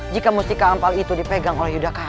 jika mustika ampal itu dipegang oleh yudaka